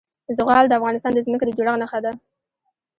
زغال د افغانستان د ځمکې د جوړښت نښه ده.